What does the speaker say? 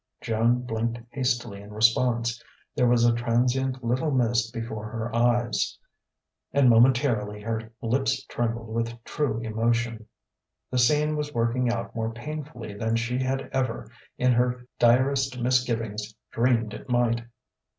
Joan blinked hastily in response: there was a transient little mist before her eyes; and momentarily her lips trembled with true emotion. The scene was working out more painfully than she had ever in her direst misgivings dreamed it might.